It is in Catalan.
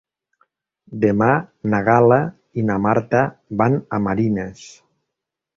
Demà na Gal·la i na Marta van a Marines.